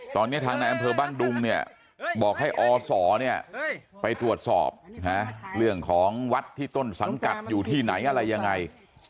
ตอนนี้ทางในอำเภอบ้านดุงเนี่ยบอกให้อศไปตรวจสอบเรื่องของวัดที่ต้นสังกัดอยู่ที่ไหนอะไรยังไง